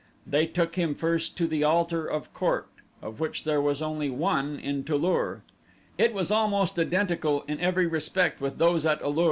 They took him first to the altar court, of which there was only one in Tu lur. It was almost identical in every respect with those at A lur.